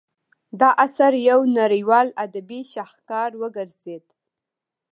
دا اثر یو نړیوال ادبي شاهکار وګرځید.